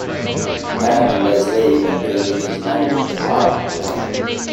Pam and Les leave and Billy begins managing the parlour.